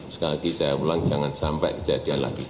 sekali lagi saya ulang jangan sampai kejadian lagi